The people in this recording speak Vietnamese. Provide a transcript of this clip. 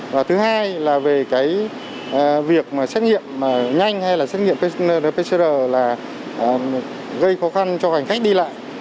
và thứ hai là về cái việc mà xét nghiệm nhanh hay là xét nghiệm pcr là gây khó khăn cho hành khách đi lại